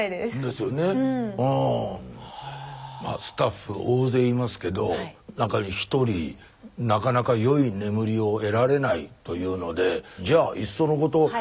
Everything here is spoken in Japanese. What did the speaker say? スタッフ大勢いますけどなんか１人なかなかよい眠りを得られないというのでじゃあいっそのこと